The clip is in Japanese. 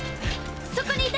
そこにいて！